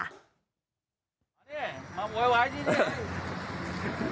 มาไหวดีนี่